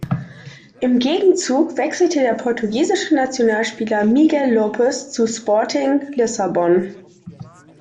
Im Gegenzug wechselte der portugiesische Nationalspieler Miguel Lopes zu Sporting Lissabon.